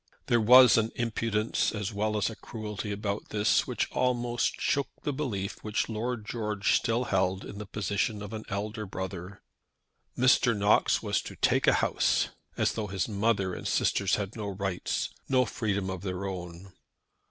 There was an impudence as well as a cruelty about this which almost shook the belief which Lord George still held in the position of an elder brother. Mr. Knox was to take a house; as though his mother and sisters had no rights, no freedom of their own!